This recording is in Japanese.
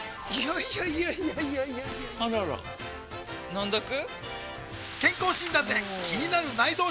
いやいやいやいやあらら飲んどく？